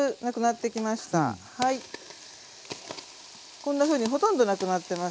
こんなふうにほとんどなくなってます。